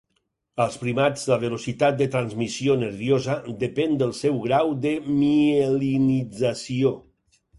Als primats, la velocitat de transmissió nerviosa depèn del seu grau de mielinització.